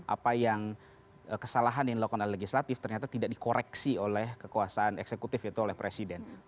apa yang kesalahan yang dilakukan oleh legislatif ternyata tidak dikoreksi oleh kekuasaan eksekutif yaitu oleh presiden